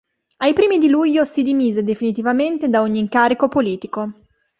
Ai primi di luglio si dimise definitivamente da ogni incarico politico.